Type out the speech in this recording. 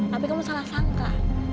tapi kamu salah sangka